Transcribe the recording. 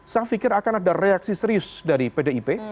saya pikir akan ada reaksi serius dari pdip